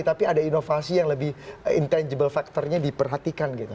tapi ada inovasi yang lebih intangible faktornya diperhatikan